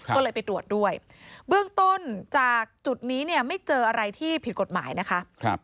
ก็เลยไปตรวจด้วยเบื้องต้นจากจุดนี้เนี่ยไม่เจออะไรที่ผิดกฎหมายนะคะ